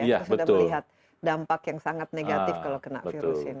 kita sudah melihat dampak yang sangat negatif kalau kena virus ini